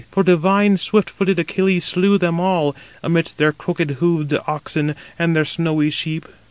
For divine, swift footed Achilles slew them all, amidst their crooked hoofed oxen and their snowy sheep.